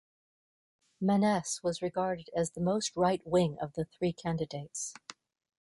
Manness was regarded as the most right-wing of the three candidates.